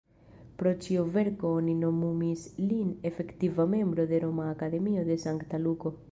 Pro ĉi-verko oni nomumis lin Efektiva membro de "Roma Akademio de Sankta Luko".